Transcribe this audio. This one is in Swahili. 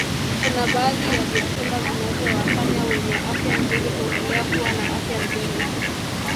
Kuna baadhi ya vyakula vinavyowafanya wenye afya nzuri kuendelea kuwa na afya nzuri